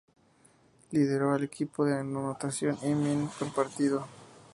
Lideró al equipo en anotación y min por partido.